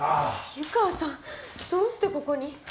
湯川さんどうしてここに？